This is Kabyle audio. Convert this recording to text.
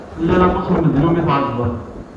Llan aṭas n medden umi teɛjeb.